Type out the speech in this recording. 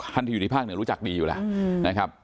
ที่อยู่ที่ภาคเหนือรู้จักดีอยู่แล้วนะครับ